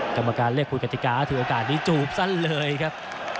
กรรมการเรียกคุยกติกาถือโอกาสนี้จูบสั้นเลยครับ